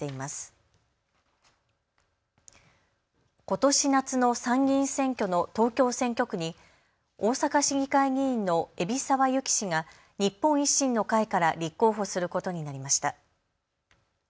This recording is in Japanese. ことし夏の参議院選挙の東京選挙区に大阪市議会議員の海老澤由紀氏が日本維新の会から立候補することになりました。